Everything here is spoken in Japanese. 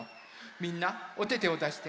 みんなおててをだして。